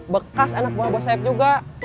bekas anak buah buah saya juga